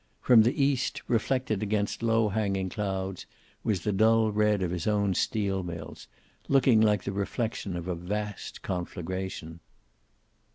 From the east, reflected against low hanging clouds, was the dull red of his own steel mills, looking like the reflection of a vast conflagration.